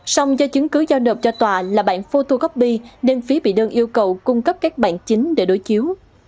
xong do chứng cứ giao nộp cho tòa là bản photocopy nên phía bị đơn yêu cầu cung cấp các bản chính để đối chiếu